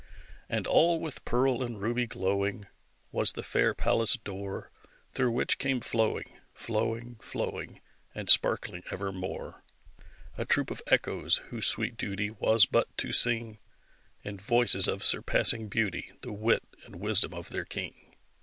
And all with pearl and ruby glowing Was the fair palace door, Through which came flowing, flowing, flowing, And sparkling evermore, A troop of Echoes, whose sweet duty Was but to sing, In voices of surpassing beauty, The wit and wisdom of their king.